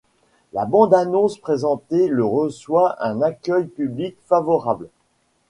La bande-annonce présentée le reçoit un accueil public favorable.